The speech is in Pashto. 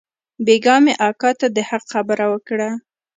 بيگاه مې اکا ته د حق خبره وکړه.